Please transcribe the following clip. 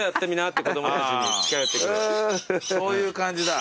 そういう感じだ。